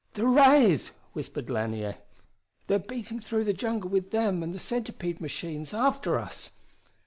"The rays!" whispered Lanier. "They're beating through the jungle with them and the centipede machines after us!"